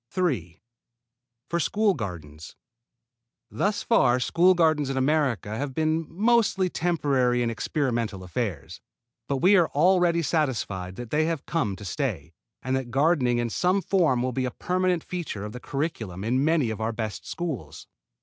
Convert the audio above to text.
3. For school gardens. Thus far school gardens in America have been mostly temporary and experimental affairs. But we are already satisfied that they have come to stay, and that gardening in some form will be a permanent feature of the curriculum in many of our best schools.